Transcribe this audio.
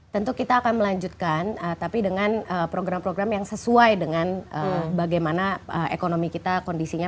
tentu kita akan melanjutkan tapi dengan program program yang sesuai dengan bagaimana ekonomi kita kondisinya